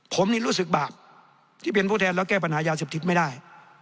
ผมนี่รู้สึกบาปที่เป็นผู้แทนแล้วแก้ปัญหายาเสพติดไม่ได้